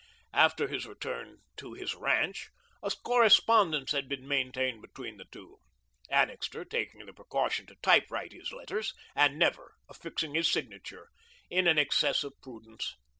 After his return to his ranch, a correspondence had been maintained between the two, Annixter taking the precaution to typewrite his letters, and never affixing his signature, in an excess of prudence.